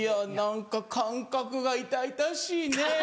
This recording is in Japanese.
何か感覚が痛々しいね。